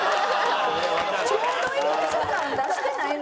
ちょうどいいでしょ感出してないのよ